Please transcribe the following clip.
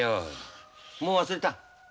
もう忘れた。